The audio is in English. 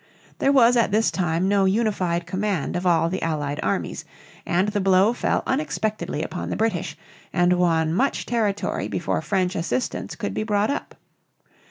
There was at this time no unified command of all the Allied armies, and the blow fell unexpectedly upon the British and won much territory before French assistance could be brought up.